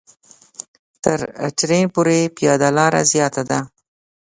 تر ټرېن پورې پیاده لاره زیاته ده.